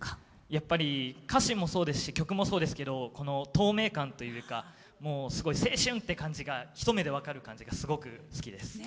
やっぱり、歌詞もそうですし曲もそうですけど透明感というかすごい青春！って感じが一目で分かる感じがすごく好きです。